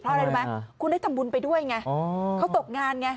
เพราะอะไรรู้ไหมคุณได้ทำบุญไปด้วยไงเขาตกงานไง